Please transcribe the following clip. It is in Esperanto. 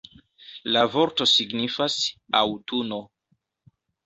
La vorto signifas „aŭtuno“.